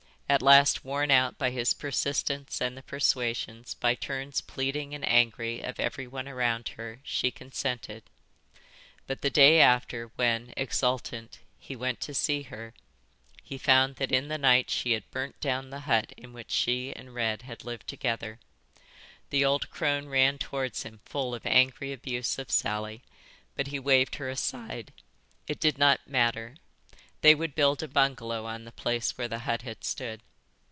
At last, worn out by his persistence and the persuasions, by turns pleading and angry, of everyone around her, she consented. But the day after when, exultant, he went to see her he found that in the night she had burnt down the hut in which she and Red had lived together. The old crone ran towards him full of angry abuse of Sally, but he waved her aside; it did not matter; they would build a bungalow on the place where the hut had stood.